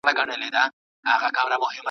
حق پالنه زموږ د ایمان برخه ده.